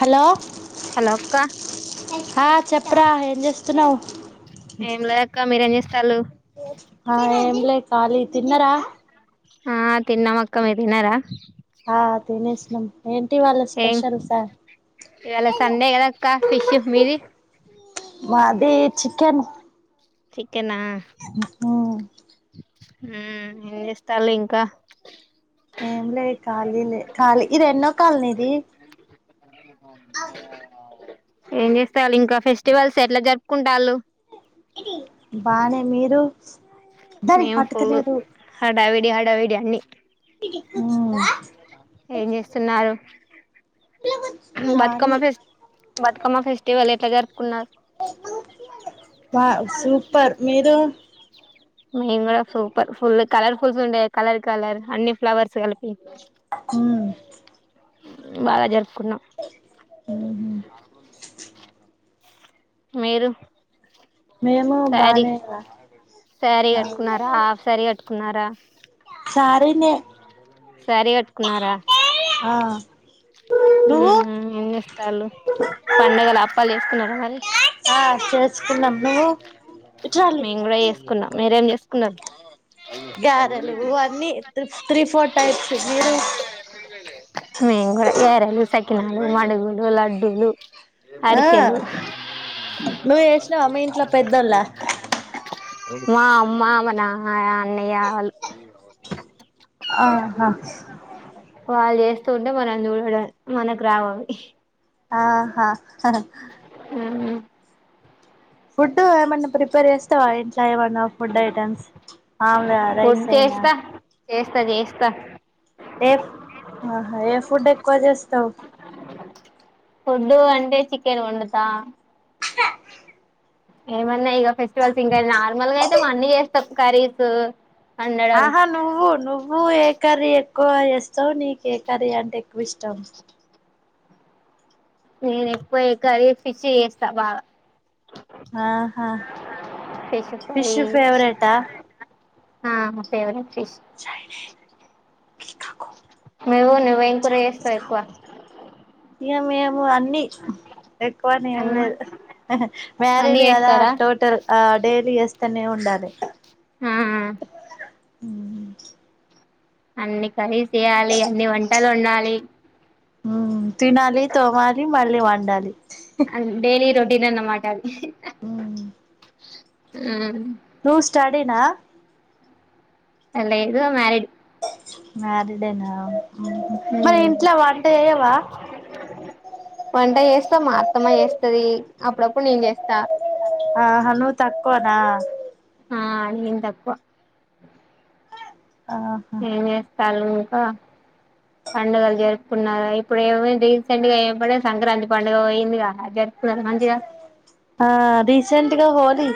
hello hello అక్క ఆ చెప్పారా ఏం చేస్తున్నవు ఏం లే అక్క మీరేం చేస్తాలు ఆ ఎం లే ఖాళీ తిన్నరా ఆ తిన్నమక్క మీరు తిన్నరా ఆ తినేసినం ఏంగ్ ఇయాళ సండే కదా అక్క ఫిషు మీది మాది చికెన్ చికెనా ఏం చేస్తాల్లు ఇంకా ఏం లేదు ఖాళీనే ఖాళీ ఇది ఎన్నో కాల్ ఇది బ్లాంక్ ఏం చేస్తలు ఇంకా ఫెస్టివల్స్ ఎట్ల జరుపుకుంటాళ్ళు బానే మీరు దానికి మేము పట్టుత ఫుల్ లేదు హడావిడి హడావిడి అన్ని ఉమ్ ఏం చేస్తున్నారు బతుకమ్మ ఖాళీ ఫెస్ బతుకమ్మ ఫెస్టివల్ ఎట్ల జరుపుకున్నారు బా సూపర్ మీరు మేము కూడా సూపర్ ఫుల్ కలర్ ఫుల్స్ ఉండే కలర్ కలర్ అన్ని ఫ్లవర్స్ కలిపి హు బాగా జరుపుకున్నాం బ్లాంక్ మీరు మేము శారీ బానే రా శారీ ఆ కట్టుకున్నారా హాఫ్ శారీ కట్టుకున్నారా సారీనే శారి కట్టుకున్నారా ఆ ఉ నువ్వు ఉ ఎం చేస్తలు పండగలు అప్పాలు చేసుకున్నర మరి ఆ చేసుకున్నాం నువ్వు ఇట్రాలి మేము కూడ చేసుకున్నాం మీరేం చేసుకున్నారు గారెలు అన్నీ త్రి త్రీ ఫోర్ టైప్స్ మీరు మేము కూడా ఏరెలు, సకినాలు, మడుగులు, లడ్డూలు ఆ నువ్వే చెస్ బ్లాంక్ మా అమ్మా మా నాన్న అన్నయ్య వాళ్ళు ఆహా తోటి ఉంటే మనం చూడడమే మనకు రావవి ఆహా ఫుడ్డు ఏమన్న ప్రీ పేర్ చేస్తావా ఇంట్లో ఏమన్నా ఫుడ్ ఐటమ్స్ మమ్ములగా ఫుడ్ రైస్ అయినా చేస్తా చేస్తా చేస్తా ఏప్ ఆహా ఏ ఫుడ్ ఎక్కువ చేస్తావ్ ఫుడ్డు అంటే చికెన్ వండుతా ఏమన్నా ఇగ ఫెస్టివల్స్ ఇంకా నార్మల్గా అయితే మన్ని చేస్తాప్పు కర్రీస్ వండడం ఆహా నువ్వు నువ్వు ఏకర్రి చే క్కువ చేస్తవ్ నీకు ఏ కర్రీ అంటే ఎక్కువ ఇష్టం నేను ఎక్కువ యే కర్రీ ఫిష్ చేస్త బాగ ఆహా ఫిష్ ఫేవరెట్ హ హ ఫేవరెట్ ఫీ చైనే నువ్వు నువ్వేం కూర చేస్తావ్ ఎక్కువ ఇగ మేము అన్ని ఎక్కువనే ఏం అన్ని లేదు అన్ని మ్యారీడ్ కదా చేస్తారా టోటల్ ఆ డైలీ చెస్ తన్నే ఉండాలె మ్ ఉ అన్ని కర్రీస్ చేయాలి అన్ని వంటలు వండాలి తినాలి తోమాలి మళ్ళీ వండాలి అ డైలీ రొటీన్ అన్న మాట అవి ఉ నువ్ స్టడీ నా అ లేదు మ్యారిడ్ మ్యారిడేనా ఆహా మరి ఇంట్లో వంట చేయవా వంట చేస్తా మా అత్తమ్మ చేస్తది అప్పుడప్పుడు నేను చేస్తా ఆ హ నువ్ తక్కువనా ఆ నేన్ తక్కువ అ హా చాలు ఇంకా పండుగలు జరుపుకున్నారు ఇప్పుడు ఏమైంది రీసెంట్ గా ఎంబడే సంక్రాంతి పండుగ పోయిందిగా అది జరుపుకున్నారు మంచిగా ఆ రీసెంట్గా హోలీ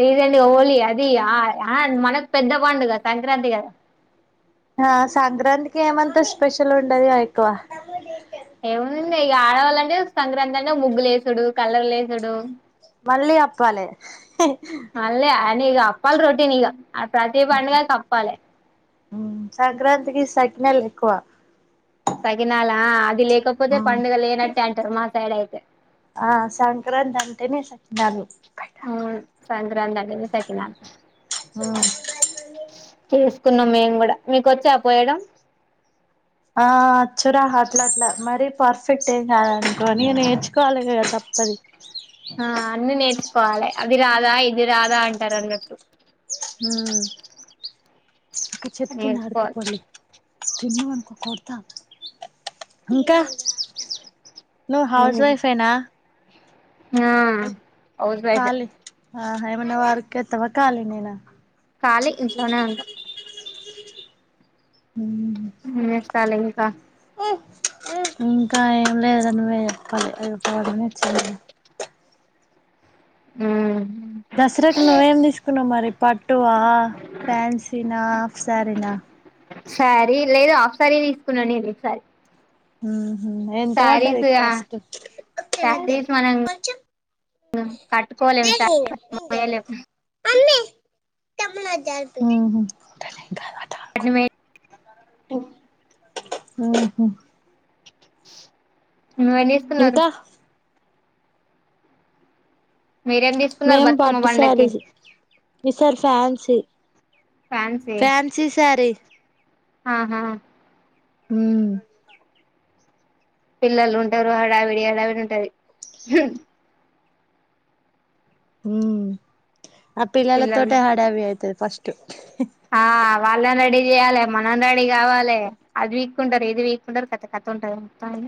రీసెంట్ గా హోలీ అది ఆ అ మనకు పెద్ద పండుగ సంక్రాంతి గదా సంక్రాంతికి ఏమంత స్పెషల్ ఉండదిగ ఎక్కువ ఏముంది ఇంగ ఇగ ఆడవాళ్ళంటే సంక్రాంతి అంటే ముగ్గు లేసుడు కలర్లు ఏసుడు మళ్ళి అప్పాలే అంటే ఇగ అప్పాలి రొటీనిగ ప్రతి అ పండుగకి అప్పాలె సంక్రాంతికి సకినల్ ఎక్కువ సకిినాల అద్ అవి లేకపోతే పండుగ లేనట్టే అంటారు మా సైడ్ అయితే ఆ సంక్రాంతి అంటేనే శకినాలు అవును సంక్రాంతి అంటేనే సకినాలు ఉమ్ కున్నాం మేము గుడా మీకోచ్చా పోయడం ఆ అచ్చురా అట్లట్ల మరీ పర్ఫెక్ట్ ఎం కాదనుకో నేర్చుకోవాలి గదా తప్పదు ఆ అన్ని నేర్చుకోవాలి అది రాదా ఇది రాదా అంటారు అన్నట్టు అక్కడ చెట్టు కింద నేర్చుకోవాలి ఆడుకోపొండి తిన్నవనుకో కొడతా ఇంకా నువ్ హౌస్ వైఫ్ ఎనా ఆ హౌస్ వైఫె ఆహ ఎమన్నా వర్క్ చెత్తవ కాలినేనా ఖాళీ ఇంట్లోనే ఉంటాం ఎం చేస్తాల్ ఇంకా ఇంకా ఏం లేదు నువ్వే చెప్పాలి [unintelligible] ఉ మ్ దసరాకు నువ్వేం తీసుకున్నావు మరి పట్టువా ఫ్యాన్సీనా హాఫ్ శారీనా సారీ లేదు హాఫ్ సారీ తీసుకున్న నేనిసారి ఉహ్మ్ ఎంత పడ్డది కాస్ట్ శారీస్ మనం కట్టుకోలేము శారీస్ మోయలేము ఉమ్ హు అనిమే ఉమ్ హు నువ్ ఏం చేస్తున్నారు ఇంకా మీరేం తీసుకున్నారు మేం బతుకమ్మ పట్టు పండక్కి సారీస్ ఈసారి ఫ్యాన్సీ ఫ్యాన్సీ సారీ ఆహా హ్మ్ పిల్లలు ఉంటారు హడావిడి హడావిడి ఉంటది హ్మ్ హ్మ్ ఆ పిల్లల తోట పిల్లలు హడావి అయితది ఫస్ట్ ఆ వాళ్ళని రెడీ చేయాలే మనం రెడీ కావాలే అది వీక్కుంటారు ఇది వీక్కుంటారు కథ కథ ఉంటది పైన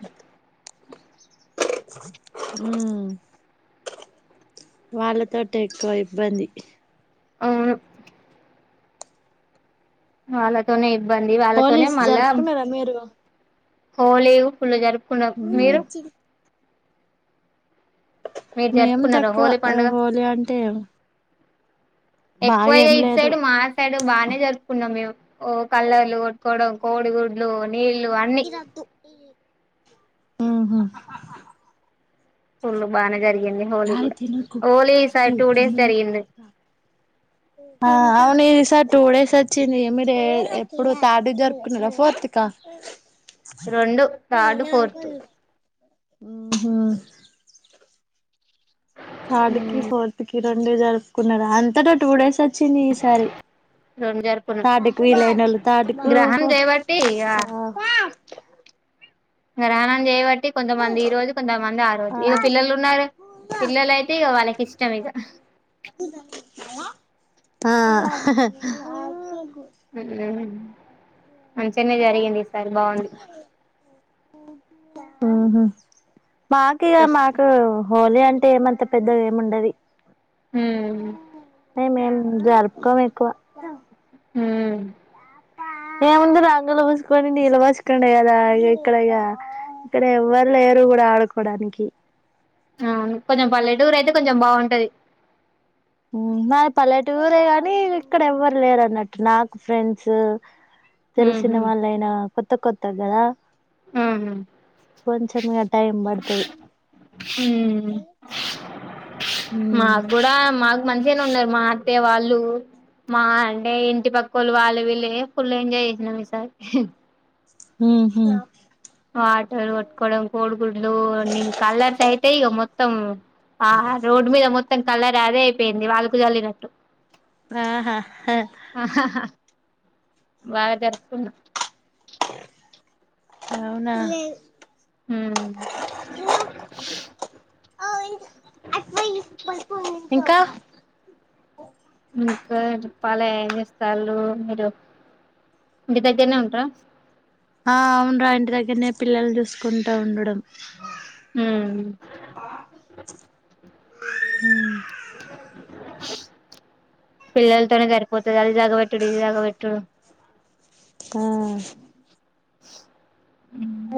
హ్మ్ వాళ్ళతోటి ఎక్కువ ఇబ్బంది అవును వాళ్ళతోనే ఇబ్బంది వాళ్ళతోనే హోలీస్ మళ్ళా జరుపుకున్నారా మీరు హోలీ ఫుల్ జారుప్ హ్మ్ మీరు మేం జరుపుకున్నారా తక్కువ హోలీ అ పండుగ హోలీ అంటే ఎక్కువ బాగా ఏం ఇటు లేదు సైడ్ మా సైడు బానే జరుపుకున్నాం మేం ఓ కలర్లు కొట్టుకోవడం కోడిగుడ్లు నీళ్ళు అన్ని ఉహ్మ్ ఫుల్లు బానే జరిగింది హోలీ కూడ తినకు హోలీ ఈసారి రాయి టూ డేస్ తినకు జరిగింది కొడతా ఆ అవును ఈ సార్ టూ డేస్ వచ్చింది మీరు ఎప్పుడు థర్డ్ జారుకున్నారా ఫోర్త్ క వ రొండు థర్డ్ ఫోర్త్ ఉహ్మ్ థర్డ్ కి ఫోర్త్ కి రెండు జరుపుకున్నారు అంతట టూ డేస్ అ అచ్చింది ఈ సారి రెండు జరుపుకున్నాం థర్డ్ కి వీలైన వాళ్ళు థర్డ్ కు గ్రహణం చేయబట్టి ఇగ ఆ రాణండేవట్ తే కొంతమంది ఈ రోజు కొంతమంది ఆ రోజు ఇక పిల్లలు ఉన్నారు పిల్లల అయితే ఇగ వాళ్ళక్ ఇష్ట ష్టం ఈగ ఆ హ హ మంచినే జరిగింది ఈసారి బాగుంది ఉహు మాకు ఇగ ఫస్ట్ మాకు హోలీ అంటే ఏమంత పెద్ద ఏం ఉండదు హ్మ్ హ్మ్ మేం జరుపుకోం ఎక్కువ హ్మ్ ఏముందు రంగులు పోసుకోని నీల్ పోసుకోండ కదా ఇగా ఇక్కడ ఇగ ఇక్కడ ఎవ్వరు లేరు కూడ ఆడుకోడానికి అవును కొంచెం పల్లెటూగురు అయితే కొంచెం బావుంటది నాది పల్లెట రే గానీ ఇక్కడ ఎవ్వరు లేరు అన్నట్టు నాకు ఫ్రెండ్సు తెలిసిన ఉహు వాళ్ళయినా కొత్త కొత్త గదా ఉహు కొంచెంగా ఇగా టైమ్ పడుతది ఉం ఉమ్ మాకు కూడా మాక్ మంచిగానే ఉన్నారు మా అత్తె వాళ్ళు మా అంటే ఇంటి పక్క వాళ్లు వాళ్ళు వీళ్లే ఫుల్ ఎంజాయ్ చేసినం ఈసారి ఉహ్మ్ వాటర్ కొట్టుకోవడం కోడు గుడ్లు అని కల్ర్స ఐతే ఇగ మొత్తం ఆహా రోడ్డు మీద మొత్తం కలర్ దే అయిపోయింది ఆళ్ళకు చల్లినట్టు ఆహా హ బా జరుపుకున్నా అవునా ఉమ్ ఇంకా ఇంకా చెప్పాలే ఏం చేస్తాలు మీరు ఇంటి దగ్గరనే ఉంట్రా ఆ అవున్ రా ఇంటి దగ్గరనే పిల్లల్ చూస్ కుంటా ఉండడం ఉమ్ మ్మ్ పిల్లలతోనే సరిపోతది అది జగబెట్టుడు ఇది జగ్గబెట్టుడు ఆ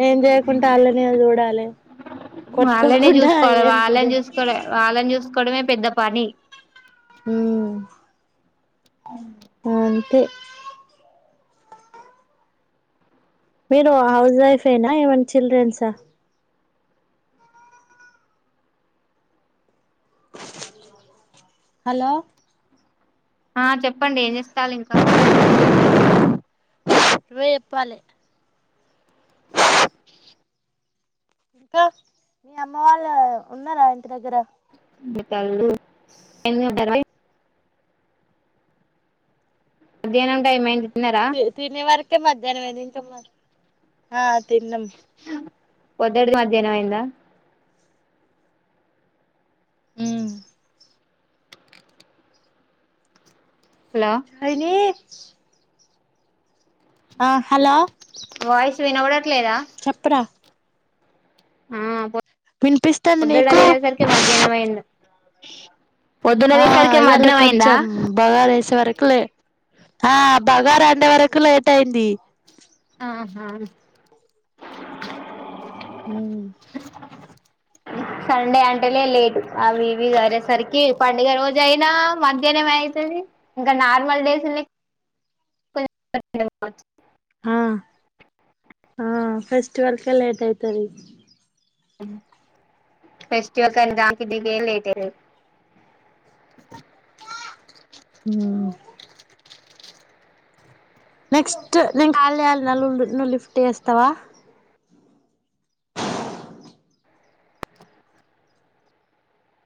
ఏం చేయకుంటా అలానే చూడాలె వాళ్ళనే చూసుకోవాలి వాళ్ళనే చూసుకోవ వాళ్ళని చూసుకోవడమే పెద్ద పని ఉ అంతే మీరు హౌస్ వైఫ్ ఎనా ఏమనా చిల్డ్రన్సా హలో ఆ చెప్పండి ఏం చేస్తాలు ఇంకా నువ్వే చెప్పాలే ఇంకా మీ అమ్మ వాళ్ళ ఉన్నారా ఇంటి దగ్గర [unintelligible] మధ్యహనం టైమ్ అయ్యింది తి తినే వరకే మధ్యాహ్నం అయింది ఇంకా మా ఆ తిన్నాం పొద్దుటిది మధ్యాహ్నం అయిందా ఉమ్ హలో చైనే ఆ హలో వాయిస్ వినబడట్లేదా చెప్పురా పో వినిపిస్తుంది పోద్దుడ నీకు తిననేసరికి మధ్యాహ్నమంది ఆ ఇవాళ అయిందా కొంచెం బగారా ఎసే వరకి ఆ బగారా అండే వరకు లేట్ అయింది ఆహా ఉమ్ సండే అంటేలే లేట్ అవివి సాదిరేసరికి పండుగ రోజు అయినా మధ్యాహ్నం అయితే ఇంకా నార్మల్ డేస్ని [inaudible] ఆ ఆ ఫెస్టివల్ కే లేట్ అయితది ఫెస్టివల్ కైనా దానికి దీనికి లేట్ అయితది ఉ నెక్స్ట్ నేన్ కాల్ చేయాలనుకుంటున్న నువ్ లిఫ్ట్ చేస్తావా